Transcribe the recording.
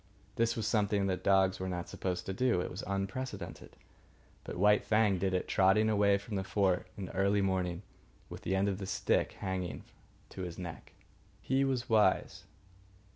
This was something that dogs were not supposed to do. It was unprecedented. But White Fang did it, trotting away from the fort in the early morning, with the end of the stick hanging to his neck. He was wise.